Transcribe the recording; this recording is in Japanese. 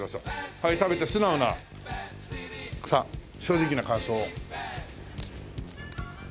はい食べて素直なさあ正直な感想を。